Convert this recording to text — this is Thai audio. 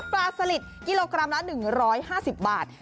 สลิดกิโลกรัมละ๑๕๐บาท